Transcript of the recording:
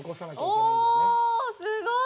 おぉ、すごい。